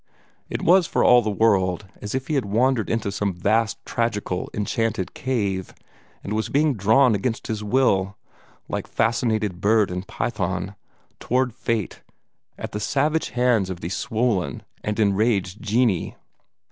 It was for all the world as if he had wandered into some vast tragical, enchanted cave, and was being drawn against his will like fascinated bird and python toward fate at the savage hands of these swollen and enraged genii.